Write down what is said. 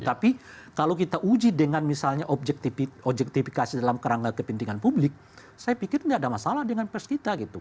tapi kalau kita uji dengan misalnya objektifikasi dalam kerangka kepentingan publik saya pikir tidak ada masalah dengan pers kita gitu